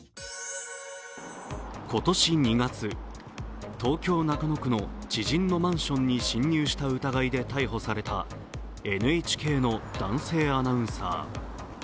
今年２月、東京・中野区の知人のマンションに侵入した疑いで逮捕されたＮＨＫの男性アナウンサー。